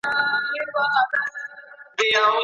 له نمرود څخه د کبر جام نسکور سو.